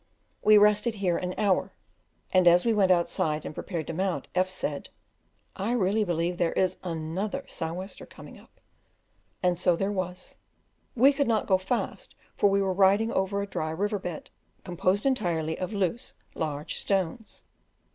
We rested here an hour, and as we went outside and prepared to mount, F said, "I really believe there is another sou' wester coming up," and so there was: we could not go fast, for we were riding over a dry river bed, composed entirely of loose large stones.